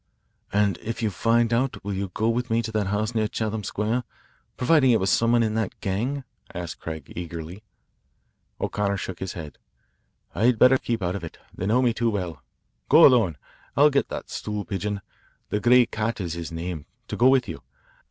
"And if you find out, will you go with me to that house near Chatham Square, providing it was some one in that gang?" asked Craig eagerly. O'Connor shook his head. "I'd better keep out of it. They know me too well. Go alone. I'll get that stool pigeon the Gay Cat is his name to go with you.